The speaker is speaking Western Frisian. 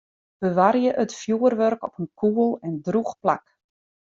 Bewarje it fjoerwurk op in koel en drûch plak.